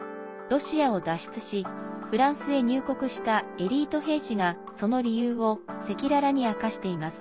ロシアを脱出しフランスへ入国したエリート兵士が、その理由を赤裸々に明かしています。